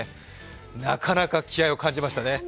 なかなか気合いを感じましたね。